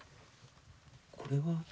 これは？